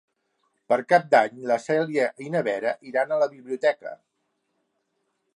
Per Cap d'Any na Cèlia i na Vera iran a la biblioteca.